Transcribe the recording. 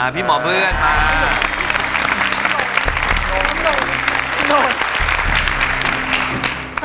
พี่หมอเพื่อนมา